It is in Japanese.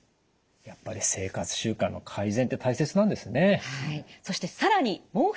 やっぱり生活習慣の改善って大切なんですね。